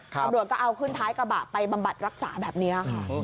อบริษัทก็เอาขึ้นท้ายกระบะไปบำบัดรักษาแบบนี้